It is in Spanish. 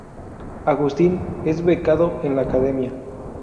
Agustín: Es becado en la academia.